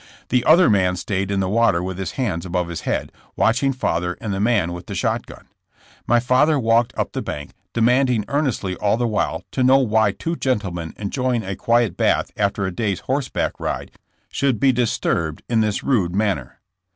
The other man stayed in the water with his hands above his head, watching father and the man with the shot gun. My father walked up the bank, demanding earnestly all the while to know why two gentlemen enjoying a quiet bath after a day 's horseback ride should be disturbed in this rude manner.